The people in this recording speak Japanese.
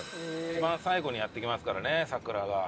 一番最後にやってきますからね桜が。